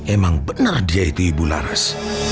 emang benar dia itu ibu laras